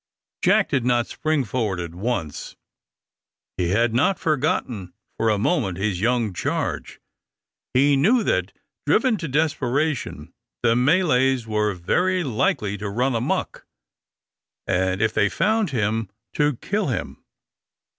Jack did not spring forward at once. He had not forgotten for a moment his young charge. He knew that, driven to desperation, the Malays were very likely to run amuck, and, if they found him, to kill him.